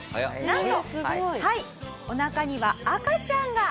なんとお腹には赤ちゃんが。